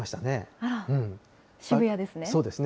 渋谷ですね。